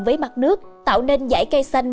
với mặt nước tạo nên dải cây xanh